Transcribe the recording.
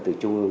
từ trung ương